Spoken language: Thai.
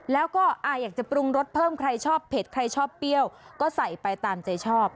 แล้วก็อยากจะปรุงรสเพิ่มใครชอบเผ็ดใครชอบเปรี้ยวก็ใส่ไปตามใจชอบ